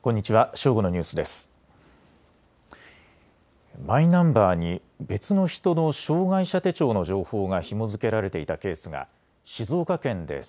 正午のニュースです。